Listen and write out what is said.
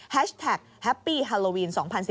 แท็กแฮปปี้ฮาโลวีน๒๐๑๙